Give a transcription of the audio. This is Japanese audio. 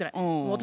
私